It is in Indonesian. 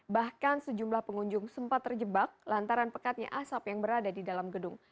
bahkan sejumlah pengunjung sempat terjebak lantaran pekatnya asap yang berada di dalam gedung